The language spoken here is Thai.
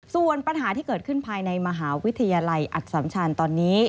ส่วนปัญหาที่เกิดขึ้นภายในมหาวิทยาลัยอัตสัมชันตอนนี้